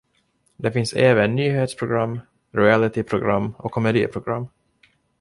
Det finns även nyhetsprogram, realityprogram och komediprogram.